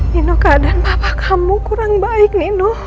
ninuh keadaan bapak kamu kurang baik nino